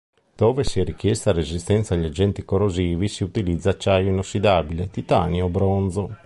Dove sia richiesta resistenza agli agenti corrosivi si utilizza acciaio inossidabile, titanio o bronzo.